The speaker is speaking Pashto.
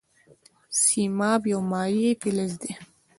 سیماب یو مایع فلز دی.